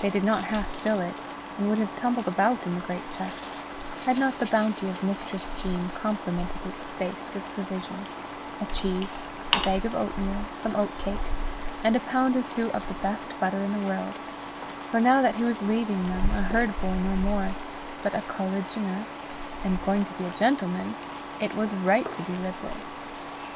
They did not half fill it, and would have tumbled about in the great chest, had not the bounty of Mistress Jean complemented its space with provision a cheese, a bag of oatmeal, some oatcakes, and a pound or two of the best butter in the world; for now that he was leaving them, a herd boy no more, but a colliginer, and going to be a gentleman, it was right to be liberal.